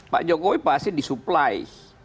pak jokowi pasti disupply